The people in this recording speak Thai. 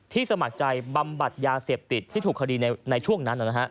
สมัครใจบำบัดยาเสพติดที่ถูกคดีในช่วงนั้น